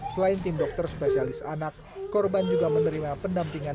selain tim dokter spesialis anak korban juga menerima pendampingan